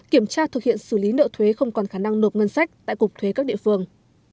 kiểm tra thực hiện xử lý nợ thuế không còn khả năng nộp ngân sách tại cục thuế các địa phương